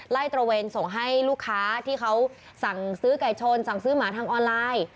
ตระเวนส่งให้ลูกค้าที่เขาสั่งซื้อไก่ชนสั่งซื้อหมาทางออนไลน์